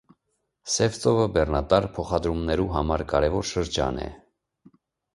Սեւ ծովը բեռնատար փոխադրումներու համար կարեւոր շրջան է։